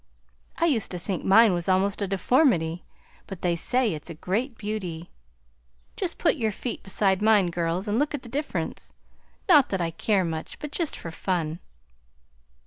I used to think mine was almost a deformity, but they say it's a great beauty. Just put your feet beside mine, girls, and look at the difference; not that I care much, but just for fun."